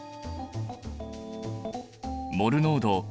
モル濃度